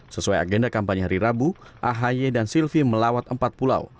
sesuai agenda kampanye hari rabu ahy dan silvi melawat empat pulau